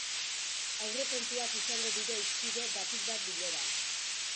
Aurrekontuak izango dira hizpide batik bat bileran.